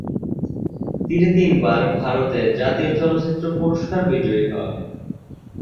তিনি তিনবার ভারতের জাতীয় চলচ্চিত্র পুরস্কার বিজয়ী হন।